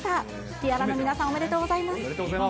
ティアラの皆さん、おめでとうございます。